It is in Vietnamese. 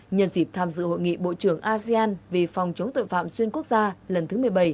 nhân dịp tham dự hội nghị bộ trưởng asean về phòng chống tội phạm xuyên quốc gia lần thứ một mươi bảy